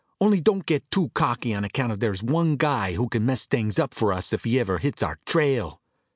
"Only don't get too cocky on account of there's one guy who could mess things up for us if he ever hits our trail."